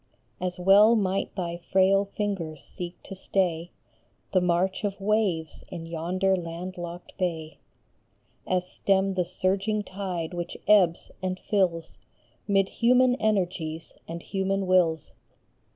As well might thy frail fingers seek to stay The march of waves in yonder land locked bay, As stem the surging tide which ebbs and fills Mid human energies and human wills.